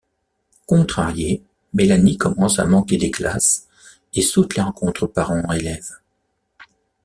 Contrariée, Melanie commence à manquer des classes et saute les rencontres parent-élèves.